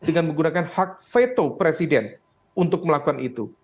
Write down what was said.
dengan menggunakan hak veto presiden untuk melakukan itu